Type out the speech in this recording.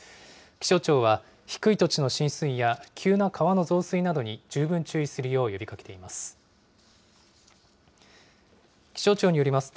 気象庁は低い土地の浸水や、急な川の増水などに十分注意するよう呼びかけています。